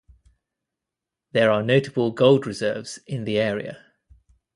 There are notable gold reserves in the area.